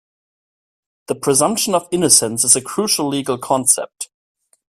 The presumption of innocence is a crucial legal concept.